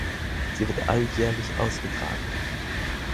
Sie wird alljährlich ausgetragen.